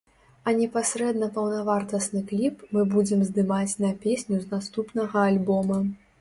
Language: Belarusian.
А непасрэдна паўнавартасны кліп мы будзем здымаць на песню з наступнага альбома.